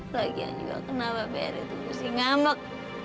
lagian juga kenapa beritahu gue si ngambek